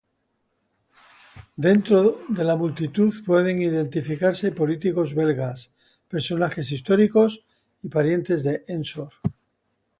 Dentro de la multitud pueden identificarse políticos belgas, personajes históricos y parientes de Ensor.